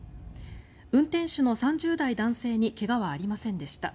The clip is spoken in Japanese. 運転手の３０代男性に怪我はありませんでした。